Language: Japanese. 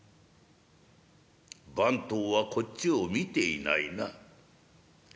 「番頭はこっちを見ていないな」。